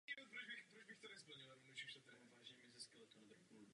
Nachází se zde mnoho gay barů a obchodů vyznačující se růžovou barvou.